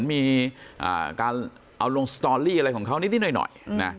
มีการเอาลงสตอรี่อะไรของเขานิดหน่อย